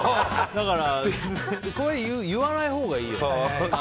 だから言わないほうがいいよね。